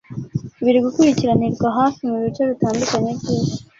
biri gukurikiranirwa hafi mu bice bitandukanye by'isi.